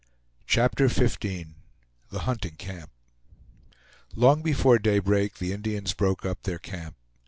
CHAPTER XV THE HUNTING CAMP Long before daybreak the Indians broke up their camp.